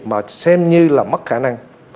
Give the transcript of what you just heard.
mà xem như là mất khả năng